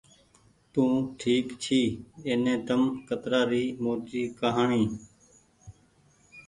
تو ٺيڪ ڇي ايني تم ڪترآ ري موٽي کآڻي